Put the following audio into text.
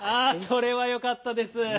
あそれはよかったです。